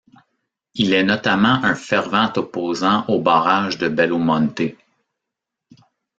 Il est notamment un fervent opposant au barrage de Belo Monte.